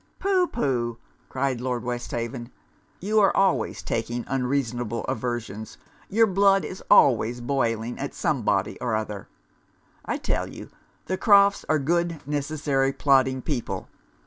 'Pooh, pooh!' cried Lord Westhaven, 'you are always taking unreasonable aversions. Your blood is always boiling at some body or other. I tell you, the Crofts' are good necessary, plodding people.